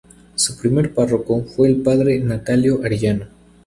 Su primer párroco fue el padre Natalio Arellano.